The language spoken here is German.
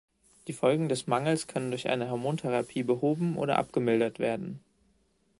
Die Folgen des Mangels können durch eine Hormontherapie behoben oder abgemildert werden.